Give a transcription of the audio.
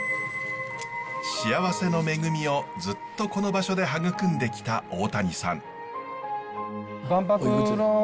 幸せの恵みをずっとこの場所で育んできた大谷さん。